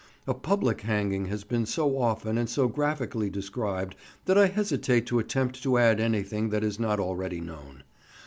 A public hanging has been so often and so graphically described that I hesitate to attempt to add anything that is not already known.